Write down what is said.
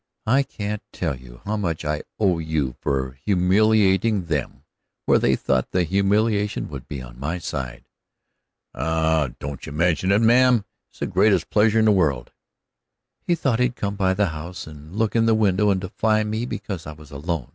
I can't tell you how much I owe you for humiliating them where they thought the humiliation would be on my side." "Don't you mention it, ma'am; it's the greatest pleasure in the world." "He thought he'd come by the house and look in the window and defy me because I was alone."